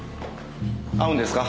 会うんですか？